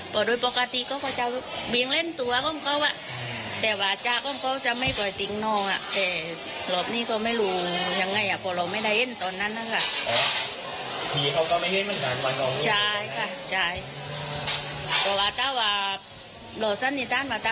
อ๋อพี่เขาก็ไม่ได้บ้านทำไม